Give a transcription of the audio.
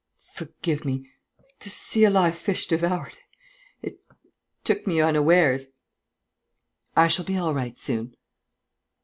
"Forgive me. To see a live fish devoured ... it took me unawares.... I shall be all right soon...."